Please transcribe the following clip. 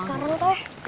sampai sekarang pak